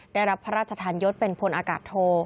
ได้รับพระราชทานยศเป็นพลอากาศโท